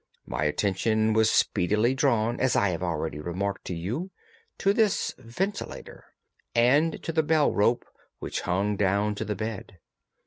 My attention was speedily drawn, as I have already remarked to you, to this ventilator, and to the bell rope which hung down to the bed.